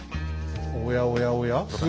おやおやおや？